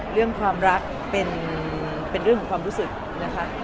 เรื่องความรักเป็นเรื่องของความรู้สึกนะคะ